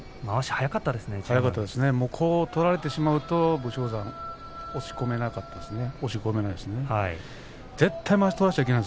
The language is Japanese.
早かったですね取られてしまうと武将山押し込めなかったんですね。